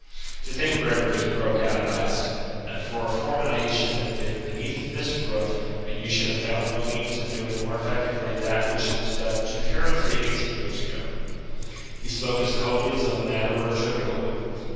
"To think, Gregory," he broke out at last, "that for a fortnight he should have been beneath this roof, and you should have found no means of doing more effectively that which was done too carelessly eighteen years ago." He spoke as coldly as though the matter were a trivial one.